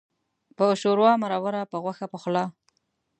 په ښوروا مروره، په غوښه پخلا.